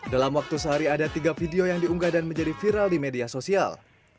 dalam waktu sehari ada tiga video yang diunggah dan menjadi viral di media sosial